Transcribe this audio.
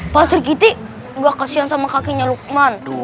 pak sirkiti gak kasihan sama kakeknya lukman